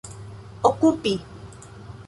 okupi